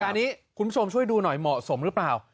แต่อันนี้คุณผู้ชมช่วยดูหน่อยเหมาะสมหรือเปล่า